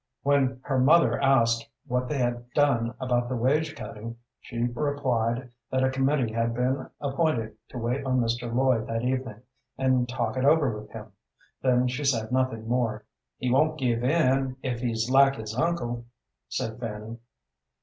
When her mother asked what they had done about the wage cutting, she replied that a committee had been appointed to wait on Mr. Lloyd that evening, and talk it over with him; then she said nothing more. "He won't give in if he's like his uncle," said Fanny.